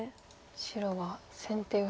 白は先手ヨセを。